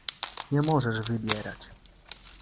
"Nie możesz wybierać."